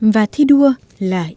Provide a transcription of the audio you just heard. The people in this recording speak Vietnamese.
và thi đua là ý nghĩa